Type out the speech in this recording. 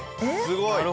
すごい。